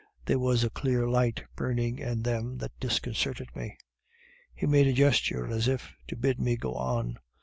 There was a clear light burning in them that disconcerted me. "He made a gesture as if to bid me 'Go on.